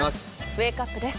ウェークアップです。